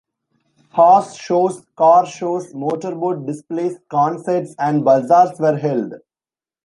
Horse shows, car shows, motor-boat displays, concerts, and bazaars were held.